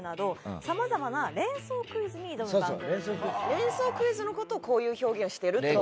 連想クイズの事をこういう表現をしてると。